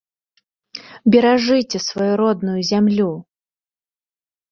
Беражыце сваю родную зямлю!